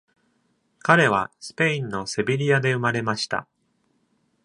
彼はスペインのセビリアで生まれました。